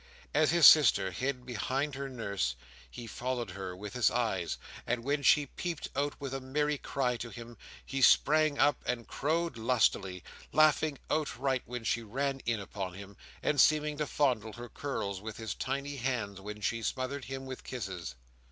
As his sister hid behind her nurse, he followed her with his eyes; and when she peeped out with a merry cry to him, he sprang up and crowed lustily—laughing outright when she ran in upon him; and seeming to fondle her curls with his tiny hands, while she smothered him with kisses.